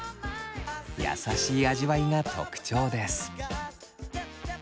優しい味わいが特徴です。